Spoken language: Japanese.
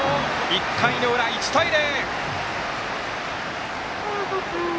１回の裏、１対０！